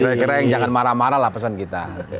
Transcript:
kira kira yang jangan marah marah lah pesan kita